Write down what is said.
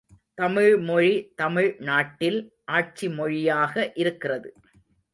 தமிழ்மொழி தமிழ் நாட்டில் ஆட்சி மொழியாக இருக்கிறது.